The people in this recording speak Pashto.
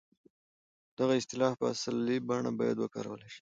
دغه اصطلاح په اصلي بڼه بايد وکارول شي.